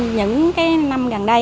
những năm gần đây